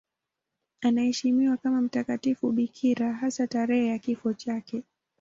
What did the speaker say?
Anaheshimiwa kama mtakatifu bikira, hasa tarehe ya kifo chake.